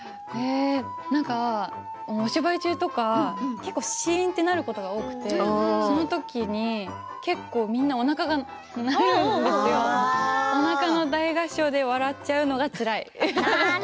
なんか、お芝居中とか結構シーンとなることが多くてそのときに結構みんなおなかが鳴るんですよおなかの大合唱で笑っちゃうのがつらい。